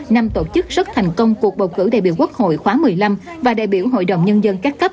năm tổ chức rất thành công cuộc bầu cử đại biểu quốc hội khóa một mươi năm và đại biểu hội đồng nhân dân các cấp